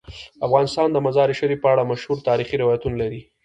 افغانستان د مزارشریف په اړه مشهور تاریخی روایتونه لري.